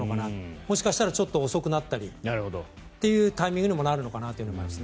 もしかしたらちょっと遅くなったりというタイミングにもなるのかなと思いますね。